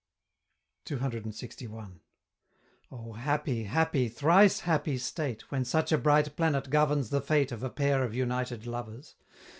CCLXI. Oh, happy, happy, thrice happy state, When such a bright Planet governs the fate Of a pair of united lovers!